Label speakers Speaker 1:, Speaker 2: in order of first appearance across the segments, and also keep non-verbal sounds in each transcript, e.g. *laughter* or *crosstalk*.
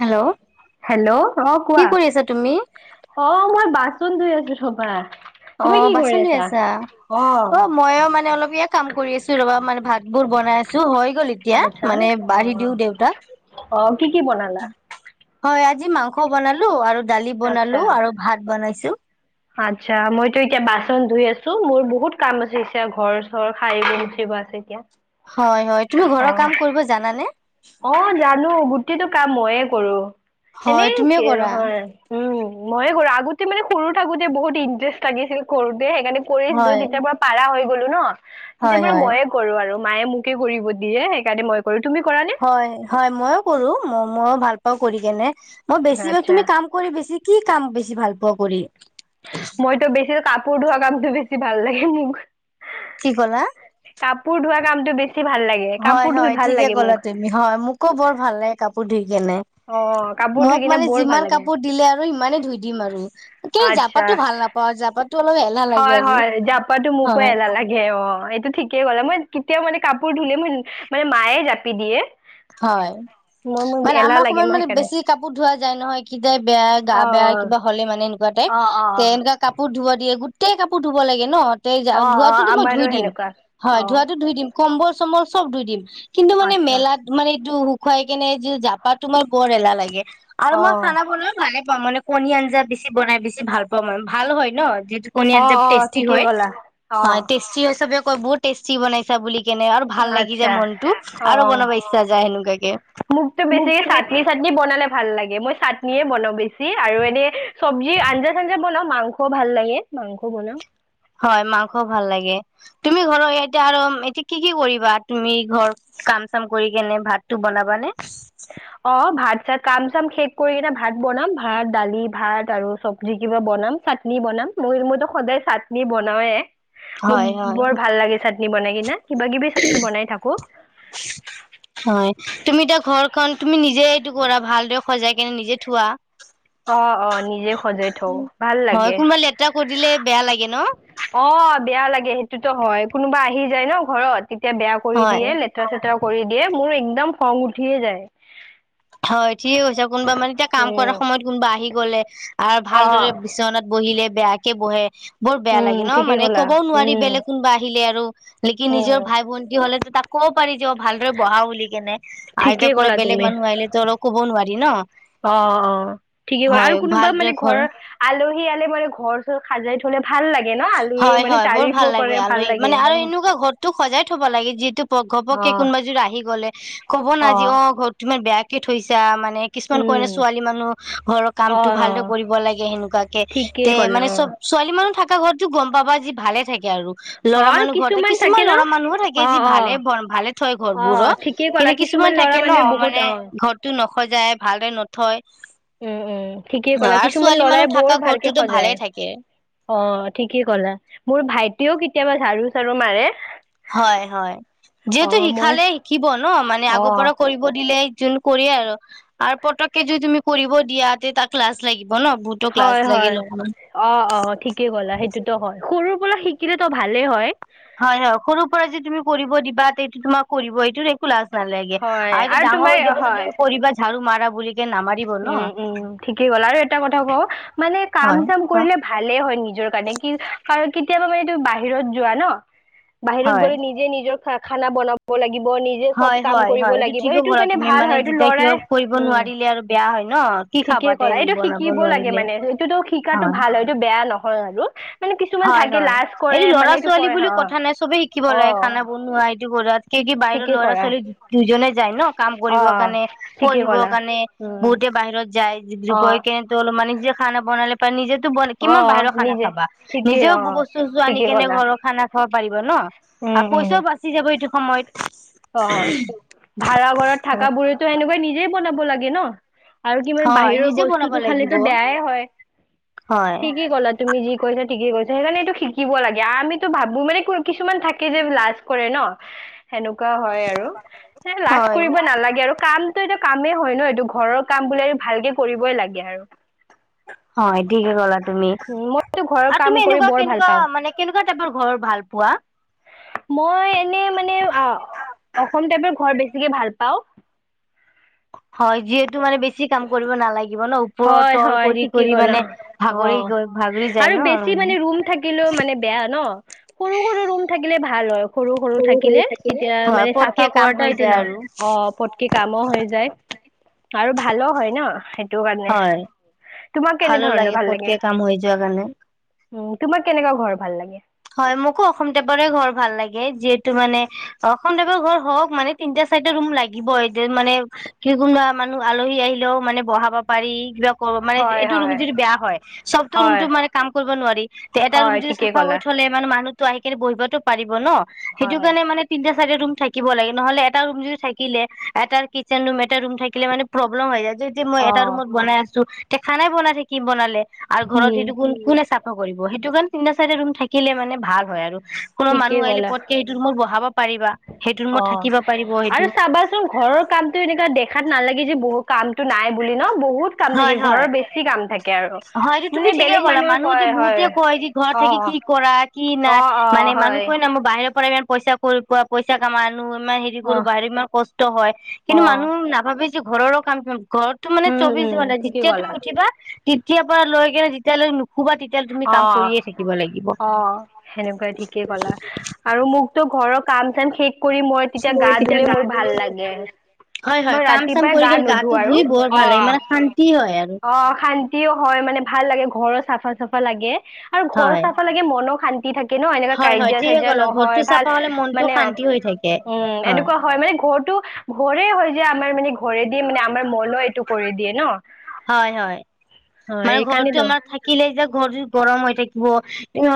Speaker 1: Hello?
Speaker 2: Hello? অ',
Speaker 1: কি
Speaker 2: কোৱা।
Speaker 1: কৰি আছা তুমি
Speaker 2: অঁ মই বাচন ধুই আছো সবা।
Speaker 1: অ', বাচন ধই আছা? অ', ময়ো মানে অলপ ইয়া কাম কৰি আছো ৰবা মানে ভাত বোৰ বনাই আছো হয় গল এতিয়া
Speaker 2: আচ্ছা
Speaker 1: মানে
Speaker 2: অ
Speaker 1: বাঢ়ি দিওঁ দেউতাক।
Speaker 2: অ কি কি বনালা?
Speaker 1: হয় আজি মাংস বনালো আৰু দালি
Speaker 2: আচ্ছা
Speaker 1: বনালো আৰু ভাত বনাইছো।
Speaker 2: আচ্ছা মইতো এতিয়া বাচন ধুই আছো মোৰ বহুত কাম আছে এতিয়া ঘৰ চৰ হাৰিব মুচিব আছে এতিয়া।
Speaker 1: হয়, হয়, তুমি ঘৰৰ কাম কৰিব জানানে?
Speaker 2: অঁ, জানো। গোটেইটো কাম ময়ে কৰো।
Speaker 1: হয় তুমিও
Speaker 2: এনেকেই,
Speaker 1: কৰা
Speaker 2: হয়, উম। মইও কৰো। আগতে মানে সৰু থাকোতে বহুত ইণ্টাৰেষ্ট লাগিছিল সৰু দ সেইকাৰণে কৰিছিলো
Speaker 1: হয়
Speaker 2: তেতিয়াৰ পৰা পাৰা হৈ গ'লো ন?
Speaker 1: হয়
Speaker 2: তেতিয়া পৰা
Speaker 1: হয়
Speaker 2: মইয়ে কৰো আৰু। মায়ে মোকে কৰিব দিয়ে সেইকাৰণে মই কৰো। তুমি কৰা নে?
Speaker 1: হয় হয় মইও কৰো, ম ময়ো ভাল পাওঁ কৰি কেনে। মই বেছিভাগ,
Speaker 2: আচ্ছা
Speaker 1: তুমি কাম কৰি বেছি কি কাম বেছি ভাল পোৱা কৰি?
Speaker 2: মইতো বেছি কাপ পঢ়োৱা কামতো বেছি ভাল লাগে মোৰ।
Speaker 1: কি ক'লা?
Speaker 2: কাপোৰ ধোৱা কামটো বেছি ভাল লাগে
Speaker 1: হয়,
Speaker 2: কাপোৰ ধুই
Speaker 1: হয়।
Speaker 2: ভাল
Speaker 1: ঠিকে
Speaker 2: লাগে
Speaker 1: ক'লা
Speaker 2: মোক
Speaker 1: তুমি, হয় মোকো বৰ ভাল লাগে কাপোৰ ধুই।
Speaker 2: অ কাপোৰ ধুই
Speaker 1: মোক
Speaker 2: কিনে
Speaker 1: মানে
Speaker 2: বৰ ভাল
Speaker 1: যিমান
Speaker 2: লাগে
Speaker 1: কাপোৰ দিলে আৰু সিমানে ধুই দিম আৰু, কিন্ত জাপাটো
Speaker 2: আচ্ছা
Speaker 1: ভাল নাপাওঁ জাপাটো
Speaker 2: হয় হয় জাপাটো মোকো এলাহ লাগে অ এইটো ঠিকেই গলে মই কেতিয়াও মানে কাপোৰ ধুলে ম মানে মায়ে জাপি দিয়ে
Speaker 1: হয়
Speaker 2: মই মোৰ
Speaker 1: মানে
Speaker 2: এলাহ
Speaker 1: আমাৰ
Speaker 2: লাগে
Speaker 1: সময়ত
Speaker 2: মই
Speaker 1: মানে
Speaker 2: সেইকাৰণে
Speaker 1: বেছি কাপোৰ ধোৱা যায় নহয় কি বেয়া গা
Speaker 2: অ
Speaker 1: বেয়া কিবা হ'লে মানে তে
Speaker 2: অ অ অ
Speaker 1: তে এনেকুৱা কাপোৰ ধুৱা দিয়ে গোটেই কাপোৰ ধুব লাগে ন ত যা
Speaker 2: অ অ অ
Speaker 1: ধৱোতো মই
Speaker 2: আমাৰো
Speaker 1: ধুই দিম
Speaker 2: সেনেকুৱা
Speaker 1: হয়
Speaker 2: অ
Speaker 1: ধোৱাতো ধুই দিম কম্বল চম্বল চব ধুই দিম কিন্তু মানে
Speaker 2: আচ্ছা
Speaker 1: মেলাত মানে এইটো শুকুৱাই কেনে জাপা তোমাৰ বৰ এলাহ লাগে আৰু
Speaker 2: অ
Speaker 1: মই খানা বনাই ভালে পাওঁ মানে কণী আঞ্জা বেছি বনাই বেছি ভাল পাওঁ মানে ভাল হয় ন যিহেটো কণী
Speaker 2: অ
Speaker 1: আঞ্জা বেছি
Speaker 2: অ
Speaker 1: টেষ্টি
Speaker 2: ঠিকেই
Speaker 1: হয়
Speaker 2: ক'লা অ
Speaker 1: টেষ্টি হয় চবে ক বহুত টেষ্টি বনাইছা বুলি কেনে আৰু ভাল লাগি যায় মনতটো আৰু বনাবাই
Speaker 2: মোকটো বেছি চাটনি চাটনি বনালে ভাল লাগে মই চাটনিয়ে বনাওঁ বেছি আৰু এনে চবজি আঞ্জা চাঞ্জা বনাও মাংস ভাল লাগে মাংস বনাও
Speaker 1: হয় মাংসও ভাল লাগে তুমি ঘৰৰ এটিয়া আৰু এতিয়া কি কি কৰিবা তুমি ঘৰ কাম চাম কৰি কেনে ভাতটো বনাবা নে
Speaker 2: অ ভাত চাত কাম চাম শেষ কৰি কিনে ভাত বনাম ভাত দালি ভাত আৰু চবজি কিবা বনাম চাটনি বনাম মই মইতো সদায় চাটনি বনাও মোক
Speaker 1: হয় হয়
Speaker 2: বৰ ভাল লাগে চাটনি বনাই কিনে কিবা কিবি চাটনি বনাই থাকো
Speaker 1: কাৰণ তুমি নিজে এইটো কৰা ভালদৰে সজাই কিনে নিজে থোৱা
Speaker 2: অ অ নিজে সজাই থওঁ ভাল
Speaker 1: হয়
Speaker 2: লাগে
Speaker 1: কোনোবা লেতেৰা কৰি দিলে বেয়া লাগে ন
Speaker 2: অ বেয়া লাগে সেইটোতো হয় কোনোবা আহি যায় ন ঘৰত তেতিয়া বেয়া কৰি
Speaker 1: হয়
Speaker 2: দিয়ে লেতেৰা চেতেৰা কৰি দিয়ে মোৰ একদম খং উঠিয়ে যায়
Speaker 1: হয় ঠিকে কৈছে কোনোবা মানে এতিয়া কাম
Speaker 2: উম
Speaker 1: কৰাৰ সময়ত কোনোবা আহি গ'লে আৰু
Speaker 2: অ
Speaker 1: ভালদৰে বিচনাত বহিলে বেয়াকে বহে *unintelligible* বৰ বেয়া
Speaker 2: উম
Speaker 1: লাগে ন
Speaker 2: ঠিকেই
Speaker 1: মানে
Speaker 2: ক'লা
Speaker 1: ক'বও নোৱাৰি
Speaker 2: উম
Speaker 1: বেলেগ কোনোবা আহিলে আৰু নেকি
Speaker 2: উম
Speaker 1: নিজৰ ভাই ভন্টি হ'লে তাক ক'ব পাৰি যে ভালদৰে বহা বুলি কেনোই
Speaker 2: ঠিকেই
Speaker 1: আইতাক লৈ
Speaker 2: ক'লা
Speaker 1: বেলেগ মানুহ আহিলে ক'ব নোৱাৰি ন।
Speaker 2: অঁ, অঁ ঠিকে ক'লে
Speaker 1: হয়
Speaker 2: আৰু কোনোবা
Speaker 1: ভালদৰে
Speaker 2: মানে
Speaker 1: ঘৰ
Speaker 2: ঘৰৰ আলো সেইয়ালে মানে ঘৰ চৰ সাজাই থ'লে ভাল লাগে ন আলহীয়ে
Speaker 1: হয়
Speaker 2: মানে
Speaker 1: হয় বৰ
Speaker 2: তাৰিফো
Speaker 1: ভাল লাগে
Speaker 2: কৰে ভাল
Speaker 1: আলহী
Speaker 2: লাগে
Speaker 1: মানে
Speaker 2: অ
Speaker 1: আৰু এনেকুৱা ঘৰতো সজাই থ'ব লাগে যিহেটো
Speaker 2: অ
Speaker 1: ঘপকে কোনোবাযোৰা আহি গ'লে, ক'ব ন
Speaker 2: অ
Speaker 1: আজি অঁ ঘৰটো ইমান বেয়া কে থৈছা মানে মানে কিছুমান কয়
Speaker 2: উম
Speaker 1: ন ছোৱালী মানুহ ঘৰৰ
Speaker 2: অ
Speaker 1: কামতটো
Speaker 2: অ
Speaker 1: ভালদৰে কৰিব লাগে সেনেকুৱাকে
Speaker 2: ঠিকেই
Speaker 1: তে
Speaker 2: ক'লে
Speaker 1: মানে
Speaker 2: অ
Speaker 1: চব ছোৱালী মানুহ থাকে কা ঘৰতটো গম পাবা যি ভালে থাকে আৰু
Speaker 2: অ
Speaker 1: ল'ৰা
Speaker 2: আৰু
Speaker 1: মানুহ ঘৰতে কিছুমান
Speaker 2: থাকে ন
Speaker 1: ল'ৰা মানুহো থাকে
Speaker 2: অ
Speaker 1: যি
Speaker 2: অ
Speaker 1: ভালে ভালে থয়
Speaker 2: অ
Speaker 1: ঘৰবোৰো,
Speaker 2: ঠিকেই ক'লা
Speaker 1: কিন্তু কিছুমান
Speaker 2: ল'ৰা
Speaker 1: থাকে ন
Speaker 2: বহুত
Speaker 1: মানে
Speaker 2: অ
Speaker 1: ঘৰটো ন সজায়, ভালদৰে নথয়।
Speaker 2: উম উম ঠিকেই কলা,
Speaker 1: আৰু
Speaker 2: কিছুমান
Speaker 1: ছোৱালী মানুহ
Speaker 2: ল'ৰাই
Speaker 1: থাকা
Speaker 2: বৰ ভালকে
Speaker 1: ঘৰটোতো ভালে
Speaker 2: সজায়,
Speaker 1: থাকে
Speaker 2: অঁ। ঠিকেই ক'লা, মোৰ ভাইটিয়েও কেতিয়াবা ঝাৰু চাৰু মাৰে।
Speaker 1: হয় হয়,
Speaker 2: অ
Speaker 1: যিহেতু
Speaker 2: মই
Speaker 1: শিখালে শিকিব ন মানে আগৰ
Speaker 2: অ
Speaker 1: পৰা কৰিব দিলে যোন কৰি আৰু, আৰু পটককে যদি তুমি কৰিব দিয়া তাক লাছ লাগিব ন বহুতো লাজ
Speaker 2: হয়-
Speaker 1: লাগে
Speaker 2: হয়
Speaker 1: অলপমান
Speaker 2: অঁ, অ ঠিকেই ক'লা সেইটোতো হয় সৰু পৰা শিকিলে তো ভালেই হয়।
Speaker 1: হয় হয়, সৰুৰ পৰা যদি তুমি কৰিব দিবা তে সেইটো তোমাৰ কৰিবই, এইটো একু লাজ নালাগে
Speaker 2: হয়
Speaker 1: আৰু এতিয়া ডাঙৰ
Speaker 2: তোমাৰ
Speaker 1: হৈ যাব চ',
Speaker 2: হয়
Speaker 1: তুমি কৰিবা ঝাৰু মাৰা বুলি
Speaker 2: উম উম ঠিকেই ক'লা আৰু এটা কথা কওঁ মানে কাম
Speaker 1: হয়
Speaker 2: চাম
Speaker 1: কোৱা
Speaker 2: কৰিলে ভালে হয় নিজৰ কাৰণে কি কাৰন কি কেতিয়াবা মানে তুমি বাহিৰত যোৱা ন। বাহিৰত
Speaker 1: হয়
Speaker 2: গৈ নিজে নিজৰ খ খানা বনাব লাগিব নিজে চব
Speaker 1: হয়
Speaker 2: কাম কৰিব
Speaker 1: হয়-হয় এইটো
Speaker 2: লাগিব
Speaker 1: ঠিকো
Speaker 2: সেইটোৰ
Speaker 1: কৰা
Speaker 2: কাৰণে
Speaker 1: তুমি মানে যেতিয়া কিবা কৰিব নোৱাৰিলে আৰু বেয়া হয় ন কি
Speaker 2: ঠিকে
Speaker 1: খাবা তে
Speaker 2: ক'লা, এইটো
Speaker 1: বনাব
Speaker 2: শিকিব লাগে
Speaker 1: নোৱাৰিলে
Speaker 2: মানে এইটোতো শিকাতটো ভাল হয় এইটো বে বেয়া নহয় আৰু মানে কিছুমান
Speaker 1: হয়
Speaker 2: থাকে
Speaker 1: হয়
Speaker 2: লাজ কৰে
Speaker 1: এইটো
Speaker 2: মানে
Speaker 1: লৰা ছোৱালী
Speaker 2: কৰে
Speaker 1: বুলি কথা
Speaker 2: অ
Speaker 1: নাই চবে শিকিব লাগে খানা
Speaker 2: অ
Speaker 1: বনোৱা এইটো ঘৰত কি কি বাহিৰৰ
Speaker 2: ঠিকেই
Speaker 1: ল'ৰা
Speaker 2: কৰা
Speaker 1: ছোৱালী দুজনে যায় ন কাম
Speaker 2: অ
Speaker 1: কৰিবৰ কাৰণে,
Speaker 2: ঠিকেই
Speaker 1: পঢ়িবৰ
Speaker 2: ক'লা
Speaker 1: কাৰণে
Speaker 2: উম
Speaker 1: বহুতে বাহিৰত যায়।
Speaker 2: অ
Speaker 1: গৈ কেনে তলপ মানে নিজে খানা ব *unintelligible* নিজে *unintelligible*
Speaker 2: অ
Speaker 1: কিমান বাহিৰৰ খানা
Speaker 2: নিজে
Speaker 1: খাবা।
Speaker 2: ঠিকেই
Speaker 1: নিজেও
Speaker 2: অ
Speaker 1: বস্তু চষ্টো আনি
Speaker 2: ঠিকেই
Speaker 1: কেনে
Speaker 2: ক'লা
Speaker 1: ঘৰৰ খানা খব পাৰিব ন। আৰু পইচাও বাচি যাব এইটো। সময়ত।
Speaker 2: অহ ', ভাড়া ঘৰত থকা বোৰেতো সেনেকুৱাই নিজে। বনাব লাগে ন। আৰু কিমান
Speaker 1: হয়
Speaker 2: বাহিৰৰ
Speaker 1: নিজে বনাব
Speaker 2: বস্তুতো খালে
Speaker 1: লাগিব
Speaker 2: বেয়াই হয়।
Speaker 1: হয়
Speaker 2: ঠিকেই ক'লা তুমি যি কৈছা ঠিকেই কৈছা। সেইকাৰণে এইটো শিকিব লাগে আমিতো ভাবো মানে কিছুমান থাকে যে লাজ কৰে ন সেনোক কুৱা হয় আৰু লাজ
Speaker 1: হয়
Speaker 2: কৰিব নালাগে আৰু কামটো এটা কামেই হয় ন এইটো ঘৰৰ কাম বোলে ভালকে কৰিবই লাগে আৰু।
Speaker 1: হয় ঠিকে কলা তুমি
Speaker 2: মইতো ঘৰৰ
Speaker 1: আৰু
Speaker 2: কাম
Speaker 1: তুমি
Speaker 2: কৰি
Speaker 1: এনেকুৱা
Speaker 2: বৰ ভাল
Speaker 1: কেনেকুৱা
Speaker 2: পাওঁ।
Speaker 1: মানে কেনেকুৱা টাইপৰ ঘৰ ভাল। পোৱা।
Speaker 2: মই এনে মানে কি - কি ভাল পাওঁ?
Speaker 1: হয় যিহেতু মানে বেছি কাম কৰিব নালাগিব ন। ওপৰৰ
Speaker 2: হয় -
Speaker 1: তল
Speaker 2: হয়
Speaker 1: কৰি
Speaker 2: ঠিকে
Speaker 1: কৰি
Speaker 2: ক'ল
Speaker 1: মানে ভাগৰি
Speaker 2: অহ
Speaker 1: গৈ ভাগৰি
Speaker 2: ',
Speaker 1: যায়
Speaker 2: আৰু বেছি
Speaker 1: ন
Speaker 2: মানে ৰুম থাকিলেও মানে বেয়া ন সৰু-সৰু ৰুম থাকিল থাকিলে ভাল হয়। সৰু- সৰু থাকিলে তেতিয়া
Speaker 1: হয়
Speaker 2: মানে চাফা
Speaker 1: পতকে কাম
Speaker 2: কৰাত
Speaker 1: হৈ
Speaker 2: এইটো
Speaker 1: যায়
Speaker 2: ন
Speaker 1: আৰু
Speaker 2: অহ', পটকে কামো হৈ যায় আৰু ভালো হয় ন। কাৰণে।
Speaker 1: হয়,
Speaker 2: তোমাক কেনে
Speaker 1: ভালো
Speaker 2: ধৰণৰ
Speaker 1: লাগে পতকে কাম হৈ যোৱা কাৰণে।
Speaker 2: উ তোমাক কেনেকুৱা ঘৰ ভাল লাগে?
Speaker 1: হয়, মোকো অসম টেপৰে ঘৰ ভাল লাগে, যিহেতু মানে অসম টেপৰ ঘৰ হওক মানে, তিনটা চাৰিটা ৰুম লাগিব এইটো মানে কি কোনোবা মানুহ আলহী আহিলেও মানে বহাব পাৰি মানে
Speaker 2: হয়
Speaker 1: এইটো ৰুম
Speaker 2: হয়
Speaker 1: যদি বেয়া হয় চবতটো
Speaker 2: হয়
Speaker 1: ৰুমতটো মানে কাম কৰিব নোৱাৰি তে এটা ৰুম
Speaker 2: হয়
Speaker 1: যদি
Speaker 2: ঠিকেই
Speaker 1: চাফা
Speaker 2: ক'লা
Speaker 1: কৰি মানুহটো আহিকেনে বহিবতো পাৰিব ন। সেইটো
Speaker 2: হয়
Speaker 1: কাৰণে মানে তিনিটা ৰুম থাকিব লাগে নহলে এটা ৰুম যদি থাকিলে এটা কিচেন ৰুম এটা ৰুম থাকিলে মানে প্ৰব্লেম হৈ যায়। যেতিয়া মই এটা
Speaker 2: অ'
Speaker 1: ৰুমত বনাই আছো তে খানাই বনাই থাকি বনালে। আৰু ঘৰত
Speaker 2: উম।
Speaker 1: সেইটো কোন কোনে চাফা কৰিব সেইটো কাৰণে তিনি চাৰিটা ৰুম শিকিলে মানে ভাল হয় আৰু কোনো মানুহ আহিলে পতকে সেইটো মোৰ বহাব পাৰিবা। সেইটো ৰুমত
Speaker 2: অঁ
Speaker 1: থাকিব পাৰিব সেইটো
Speaker 2: আৰু চাবাচোন ঘৰৰ কামটো এনেকুৱা দেখা দেখাত নালাগে যে বহুত কামটো নাই বুলি ন বহুত কাম থাকে
Speaker 1: হয়
Speaker 2: ঘৰৰ
Speaker 1: হয়
Speaker 2: বেছি কাম থাকে আৰু
Speaker 1: হয় এইটো
Speaker 2: মানে
Speaker 1: তুমি ঠিকে
Speaker 2: বেলেগ
Speaker 1: কলা
Speaker 2: মানুহে
Speaker 1: মানুহতি
Speaker 2: কয় হয়
Speaker 1: বহুতে কয় যে ঘৰত
Speaker 2: অ
Speaker 1: থাকি কি কৰা কি
Speaker 2: অ অ
Speaker 1: নাই মানে
Speaker 2: অ
Speaker 1: মানুহ
Speaker 2: হয়
Speaker 1: কয় ন মোৰ বাহিৰৰ ইমান পইচা কৰি পোৱা পইচা কামা মানুহ ইমান হেৰি
Speaker 2: অ
Speaker 1: কৰো বাহিৰে ইমান কষ্ট হয়
Speaker 2: অ
Speaker 1: কিন্তু মানুহ নাভাবে ঘৰৰ কামটো ঘৰতো মানে
Speaker 2: উম
Speaker 1: চৌবিশ
Speaker 2: উম
Speaker 1: ঘণ্টা
Speaker 2: ঠিকেই
Speaker 1: যেতিয়া তুমি
Speaker 2: ক'লা
Speaker 1: উঠিবা তেতিয়াৰ পৰা লৈ কেনে যেতিয়ালৈ নুশুবা তেতিয়ালৈ তুমি কাম
Speaker 2: অঁ,
Speaker 1: কৰিয়ে থাকিব লাগিব
Speaker 2: অ সেনেকুৱাই ঠিকেই কলা আৰু মোক তো ঘৰৰ কাম চাম সেই কৰি মই তেতিয়া গা ধুলে মোৰ ভাল লাগে
Speaker 1: হয় হয়
Speaker 2: মই
Speaker 1: কাম চাম
Speaker 2: ৰাতিপুৱাই
Speaker 1: কৰি
Speaker 2: গা
Speaker 1: কিনে
Speaker 2: নুধো
Speaker 1: গাটো
Speaker 2: আৰু
Speaker 1: ধুই বৰ
Speaker 2: অ
Speaker 1: ভাল লাগে মানে শান্তি হয় আৰু
Speaker 2: অ শান্তিও হয় মানে ভাল লাগে ঘৰৰ চাফা চা লাগে আৰু ঘৰ
Speaker 1: হয়
Speaker 2: চাফা লাগে মনো শান্তি থাকে *unintelligible* কিনো এনেকুৱা
Speaker 1: হয় হয়
Speaker 2: কাজিয়া
Speaker 1: ঠিকে
Speaker 2: চাজিয়া
Speaker 1: ক'লা ঘৰটো
Speaker 2: নহয় ভাল
Speaker 1: চাফা হ'লে মনটো
Speaker 2: মানে
Speaker 1: শান্তি হৈ থাকে
Speaker 2: উম এনেকুৱা হয় মানে ঘৰটো ঘৰে হয় যে আমাৰ মানে ঘৰে দি মানে আমাৰ মনো এইটো কৰি দিয়ে ন
Speaker 1: হয় হয়
Speaker 2: হয়
Speaker 1: মানে ঘৰতটো
Speaker 2: এইকাৰণেতো
Speaker 1: আমাৰ থাকিলে যে ঘৰ গৰম হৈ থাকিব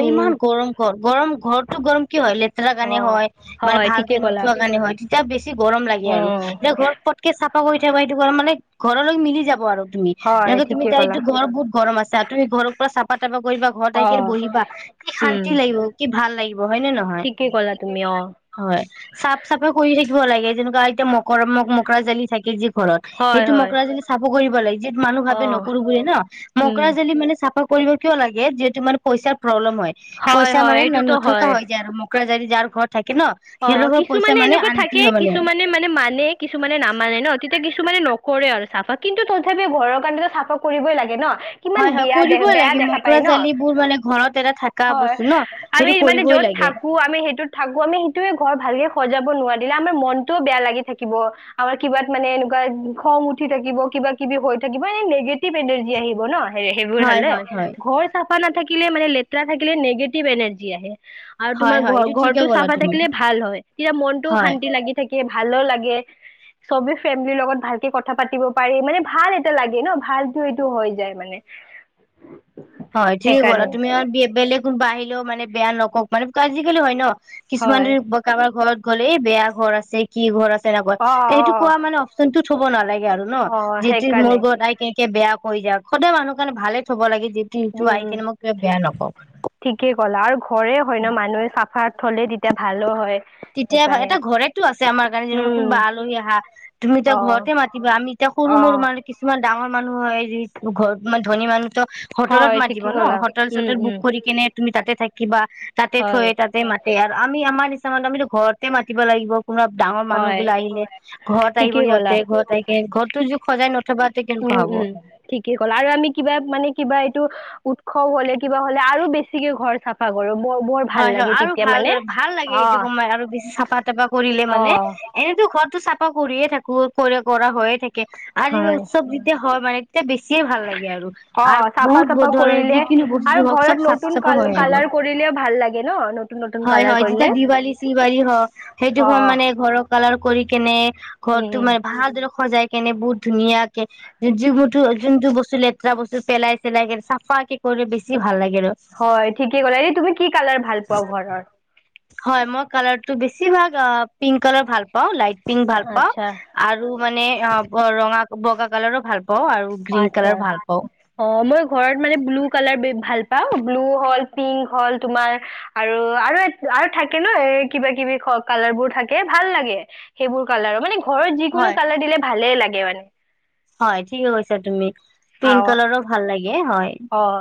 Speaker 2: উম
Speaker 1: ইমান গৰম ঘৰ গৰম ঘৰটো গৰম কিয় হয়
Speaker 2: অ
Speaker 1: গানে হয় মানে
Speaker 2: হয়
Speaker 1: ভাল
Speaker 2: ঠিকে
Speaker 1: যে
Speaker 2: ক'লা
Speaker 1: নথোৱা গানে হয়। তাৰ বেছি গৰম লাগে আৰু
Speaker 2: উম
Speaker 1: এতিয়া ঘৰত পতকে চ কৈ থাক সেইটো মানে ঘৰলৈ মিলি যাব আৰু। তুমি
Speaker 2: হয়
Speaker 1: নহলে তুমি
Speaker 2: ঠিকে ক'লা
Speaker 1: তাইকতো ঘৰ বহুত গৰম আছে। ত ঘৰৰ পৰা চাহপাত তাৰপা কৰিবা ঘৰত আহ
Speaker 2: অ
Speaker 1: কিনে বহিবা কি
Speaker 2: উম
Speaker 1: শান্তি লাগিব কি ভাল লাগিব হয় নে নহয়।
Speaker 2: ঠিকে ক'লা তুমি অ
Speaker 1: হয় চাফ চাফা কৰি থাক লাগে যেনেকুৱা এতিয়া মকৰ ম মকৰা জালি থাকিল যি। ঘৰত
Speaker 2: হয়
Speaker 1: সেইটো
Speaker 2: হয়
Speaker 1: মকৰা যদি চাফ কৰিব। ভালা *unintelligible* যি মানুহ
Speaker 2: অ
Speaker 1: ভাবে নকৰো বুলি ন
Speaker 2: উম
Speaker 1: মকৰা জালি মানে চাফা। কৰিব কিয় লাগে যিহেতু মানে পইচা প্ৰব্লেম হয় পইচা মানে নথকা হয় যে আৰু মকৰা জালি যাৰ ঘৰত থাকে ন
Speaker 2: অহ ',
Speaker 1: সিহঁতৰ পইচা
Speaker 2: কিছুমানে
Speaker 1: মানে
Speaker 2: এনেকুৱা
Speaker 1: আনতি
Speaker 2: থাকে,
Speaker 1: হয় মানে
Speaker 2: কিছুমানে মানে - মানে কিছুমানে নামানে ন তেতিয়া কিছুমান কিছুমানে নকৰে আৰু চাফা কিন্তু তথাপি ঘৰৰ কাৰণ চাফা কৰিবই লাগে ন। কিমান
Speaker 1: হয় -হয়
Speaker 2: বিয়া দে
Speaker 1: কৰিবই
Speaker 2: বেয়া
Speaker 1: লাগে
Speaker 2: দেখা
Speaker 1: মকৰা
Speaker 2: পায় ন
Speaker 1: জালিবোৰ মানে ঘৰত এটা থকা
Speaker 2: হয়
Speaker 1: বস্তু ন
Speaker 2: আমি
Speaker 1: সেইটো
Speaker 2: মানে
Speaker 1: কৰিবই
Speaker 2: য'ত
Speaker 1: লাগে।
Speaker 2: থাকো আমি সেইটোত থাকো আমি সেইটোয়ে ঘৰ ভালকে সজাব নোৱাৰিলে আমাৰ মনতও বেয়া লাগি থাকিব। আমাৰ কিবাত মানে এনেকুৱা খং উঠি থাকিব, কিবা কিবি হৈ থাকিব, এনে নিগেটিভ এনাৰ্জি আহিব ন হেৰি সেইবোৰ
Speaker 1: হয়
Speaker 2: হলে
Speaker 1: হয় হয়
Speaker 2: ঘৰ চা- নাথাকিলে মানে লেতেৰা থাকিলে নিগেটিভ এনাৰ্জি আহে। আৰু
Speaker 1: হয়
Speaker 2: তোমাৰ
Speaker 1: হয়
Speaker 2: ঘৰ
Speaker 1: এইটো ঠিকে
Speaker 2: ঘৰতটো
Speaker 1: ক'লা
Speaker 2: চাফা
Speaker 1: তুমি
Speaker 2: থাকিলে, হয় তেতিয়া মনতটো
Speaker 1: হয়
Speaker 2: শান্তি লাগি থাকে। ভালো লাগে। চবে ফেমিলিৰ লগত ভালকে কথা পাতিব পাৰি মানে ভাল এটা লাগে ন ভালতো এইটো হৈ যায় মানে।
Speaker 1: হয় ঠিকে ক'লা,
Speaker 2: সেইকাৰণে
Speaker 1: তুমি আৰু বেলেগ কোনোবা আহি ও মানে বেয়া নকওক মানে আজিকালি হয় ন, কিছুমান
Speaker 2: হয়
Speaker 1: দেৰি কাবাৰ ঘৰত, কলে এই বেয়া ঘৰ আছে, কি ঘৰ আছে তেনেকুৱা,
Speaker 2: অ
Speaker 1: সেইটো
Speaker 2: অ
Speaker 1: কোৱা মানে অপশচনতটো থুব নালাগে। আৰু ন।
Speaker 2: অ
Speaker 1: যিটো মোৰ
Speaker 2: সেইকাৰণে
Speaker 1: ঘত আইকে - বেয়া কৈ যাৱক। সদায় মানুহ কাৰণে ভালে থ'ব লাগে য
Speaker 2: উম ঠিকেই ক'লা আৰু ঘৰে হয় ন, মানুহে চাফা থলে তেতিয়া ভালো হয়।
Speaker 1: তেতিয়া
Speaker 2: সেইকাৰণে
Speaker 1: এটা ঘৰেটো আছে আমাৰ কাৰণে,
Speaker 2: উম
Speaker 1: কোনোবা আলহী আহা তুমি এতিয়া
Speaker 2: অ
Speaker 1: ঘৰতে মাতিবা আমি এতিয়া সৰু
Speaker 2: অ
Speaker 1: মৰু মানে কিছুমান ডাঙৰ মানুহ হয় যি ঘত মানে ধনী মানুহ ত হোটেলত
Speaker 2: হয়
Speaker 1: মাতিব
Speaker 2: ঠিকেই
Speaker 1: ন,
Speaker 2: ক'লা
Speaker 1: হোটেল
Speaker 2: উম
Speaker 1: চোটেল বুক
Speaker 2: উম
Speaker 1: কৰি কেনে- তুমি তাতে থাকিবা তাতে
Speaker 2: হয়
Speaker 1: থৈ তাতে মাতে আৰু আমি আমাৰ, নিচিনা আমিতো ঘৰতে মাতিব লাগিব কোনোবা ডাঙৰ মানুহ
Speaker 2: হয়
Speaker 1: বিলাক আহিলে ঘৰত আহিব
Speaker 2: ঠিকেই ক'লা
Speaker 1: সিহঁতে, ঘৰত আহে ঘৰতো য সজাই ন
Speaker 2: উম উম ঠিকেই কলা আৰু আমি কিবা মানে কিবা এইটো, উৎসৱ হ'লে কিবা হ'লে আৰু বেছিকে ঘৰ চাফা কৰো। বৰ বৰ ভাল
Speaker 1: হয় হয়
Speaker 2: লাগে
Speaker 1: আৰু
Speaker 2: তেতিয়া মানে
Speaker 1: ভালৰে ভাল লাগে
Speaker 2: অ
Speaker 1: সেইটো সময়ত আৰু বেছি চাফা তাফা কৰিলে
Speaker 2: অ
Speaker 1: মানে। এনেতো ঘৰতো চাফা কৰিয়ে থাকো, কৰি কৰা হৈয়ে থাকে আও যেনিবা
Speaker 2: হয়
Speaker 1: উৎসৱ যেতিয়া হয় মানে, এয়া বেছিয়ে ভাল লাগে আৰু।
Speaker 2: অ
Speaker 1: আৰু
Speaker 2: চাফা
Speaker 1: বহুত
Speaker 2: চাফা
Speaker 1: ধৰণৰ
Speaker 2: কৰিলে
Speaker 1: যিকিনো বস্তু
Speaker 2: আৰু
Speaker 1: হওক চব
Speaker 2: ঘৰত
Speaker 1: চাফ
Speaker 2: নতুন
Speaker 1: চাফা
Speaker 2: কাল
Speaker 1: হয় আৰু।
Speaker 2: কালাৰ কৰিলে ভাল লাগে ন নতুন নতুন
Speaker 1: হয়
Speaker 2: কালাৰ
Speaker 1: হয়
Speaker 2: কৰিলে
Speaker 1: যেতিয়া দিৱালী চৱালী হও সেইটো
Speaker 2: অ
Speaker 1: সম মানে ঘৰৰ কালাৰ কৰি কেনে, ঘৰতটো
Speaker 2: উম
Speaker 1: মানে ভালদৰে সজাই কেনে বহুত ধুনীয়াকে য যোনতটো বস্তু লেতেৰা বস্তু পেলাই চেলাই কে চাফা কে কৰিলে বেছি ভাল লাগে। আৰু
Speaker 2: হয় ঠিকে ক'লো এৰি তুমি কি কালাৰ ভাল পোৱা ঘৰৰ
Speaker 1: ত বেছি ভাগ পিংক কালাৰ ভাল পাওঁ লাইট পিং ভাল পাওঁ
Speaker 2: আচ্ছা
Speaker 1: আৰু মানে অঁ ৰঙা বগা কালাৰো ভাল পোৱা
Speaker 2: আচ্ছা অঁ মই ঘৰত মানে ব্লু কালাৰ ভাল বা ব্লু হল পিংক হল তোমাৰ আৰু আৰু আৰু থাকে ন কিবা কিবি কালাৰ বোৰ থাকে ভাল লাগে সেইবোৰ কালাৰৰ মানে ঘৰত যিকোনো
Speaker 1: হয়
Speaker 2: কালাৰ দিলে ভালে লাগে কিমান
Speaker 1: হয় ঠিকে কৈছা তুমি পিং কালাৰ ৰ ভাল লাগে হয়
Speaker 2: অঁ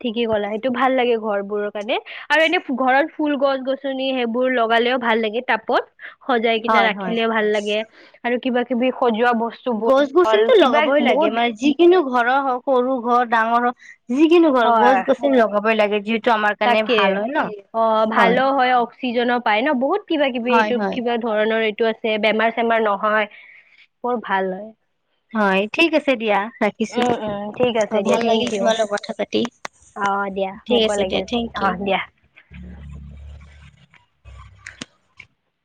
Speaker 2: ঠিকেই কলা টো ভাল লাগে ঘৰ বোৰৰ কাৰণে আৰু এনে ঘৰত ফুল গছ গছনি সেইবোৰ লগাঁলেও ভাল লাগে তাপত সজাই কিনে
Speaker 1: হয় হয়
Speaker 2: ৰাখিলে ভাল লাগে আৰু কিবা বি সজোৱাত
Speaker 1: গছ গছনিতো লগাবই লাগে
Speaker 2: বহুত
Speaker 1: মানে যিকিনো ঘৰৰ হওঁক সৰু ঘৰ ডাঙৰ ঘৰ যিকিনো ঘৰ
Speaker 2: হয়
Speaker 1: গছ গছনি লগাবই লাগে যি
Speaker 2: তাকে অঁ ভালো হয় অক্সিজেনো পায় ন বহুত কিবা কিবি
Speaker 1: হয়
Speaker 2: এইটোত
Speaker 1: হয়
Speaker 2: কিবা ধৰণৰ এই আছে বেমাৰ চেমাৰ নহয় বৰ ভাল হয় উম উম ঠিক আছে
Speaker 1: অঁ
Speaker 2: দিয়া
Speaker 1: ভাল
Speaker 2: থেংক
Speaker 1: লাগিল
Speaker 2: ইউ
Speaker 1: তোমালত কথা পাতি
Speaker 2: অ দিয়া
Speaker 1: ঠিক
Speaker 2: মোকো
Speaker 1: আছে
Speaker 2: লাগিল
Speaker 1: দিয়া থেংক
Speaker 2: অ
Speaker 1: ইউ
Speaker 2: দিয়া